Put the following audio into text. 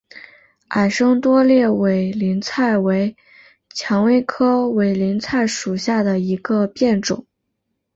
矮生多裂委陵菜为蔷薇科委陵菜属下的一个变种。